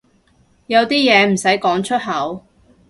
有啲嘢唔使講出口